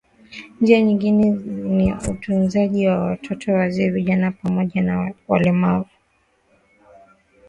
Njia nyingine ni utunzaji wa watoto wazee vijana pamoja na walemavu